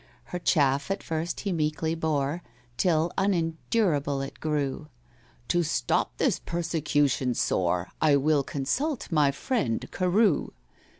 Her chaff at first he meekly bore, Till unendurable it grew. "To stop this persecution sore I will consult my friend CAREW.